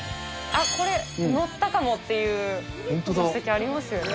これ、乗ったかもっていう座席ありますよね。